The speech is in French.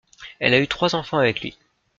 Elle a eu trois enfants avec lui.